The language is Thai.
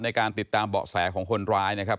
ในการติดตามเบาะแสของคนร้ายนะครับ